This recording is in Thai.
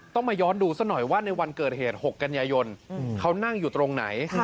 มาย้อนดูซะหน่อยว่าในวันเกิดเหตุ๖กันยายนเขานั่งอยู่ตรงไหน